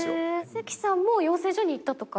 関さんも養成所に行ったとか。